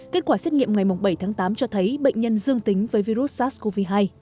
kết quả xét nghiệm ngày bảy tháng tám cho thấy bệnh nhân dương tính với virus sars cov hai